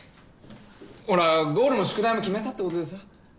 ほらゴールも宿題も決めたってことでさ。